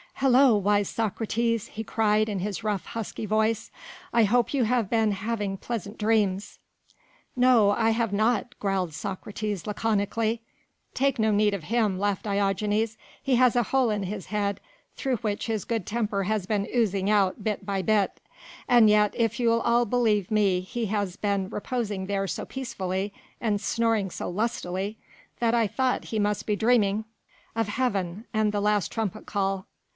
"Hello, wise Socrates," he cried in his rough, husky voice, "I hope you have been having pleasant dreams." "No, I have not," growled Socrates laconically. "Take no heed of him," laughed Diogenes, "he has a hole in his head through which his good temper has been oozing out bit by bit. And yet if you'll all believe me he has been reposing there so peacefully and snoring so lustily that I thought he must be dreaming of Heaven and the last trumpet call."